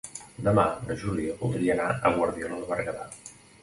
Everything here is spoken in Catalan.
Demà na Júlia voldria anar a Guardiola de Berguedà.